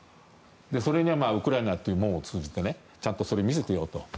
それにはウクライナという門を通じてちゃんとそれを見せてよと。